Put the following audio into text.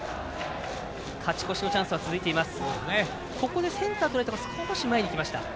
勝ち越しのチャンスは続いています。